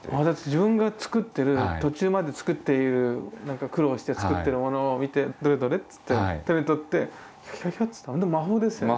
自分が作ってる途中まで作っている苦労して作ってるものを見て「どれどれ」っつって手に取ってひょいひょいってほんと魔法ですよね。